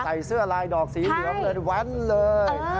ใส่เสื้อลายดอกสีเหลืองเลยแว้นเลย